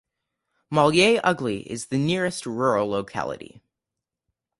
Malye Ugly is the nearest rural locality.